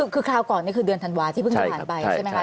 คือคราวก่อนนี่คือเดือนธันวาที่เพิ่งจะผ่านไปใช่ไหมคะ